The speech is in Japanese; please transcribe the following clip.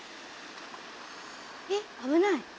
えっ危ない！